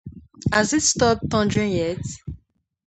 Has it stopped thundering yet?